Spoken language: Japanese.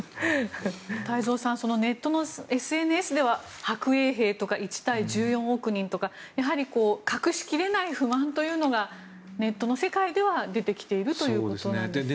太蔵さんネットのＳＮＳでは白衛兵とか１対１４億人とかやはり隠し切れない不満というのがネットの世界では出てきているということなんでしょうか。